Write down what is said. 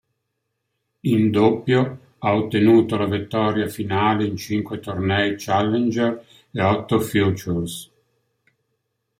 In doppio, ha ottenuto la vittoria finale in cinque tornei challenger e otto futures.